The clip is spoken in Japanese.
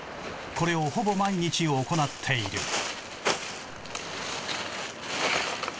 これをほぼ毎日行っている。